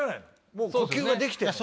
もう呼吸はできてるの？